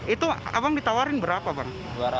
itu abang ditawarin berapa bang